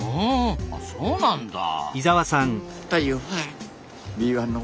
あそうなんだ。